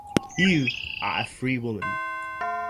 You are a free woman.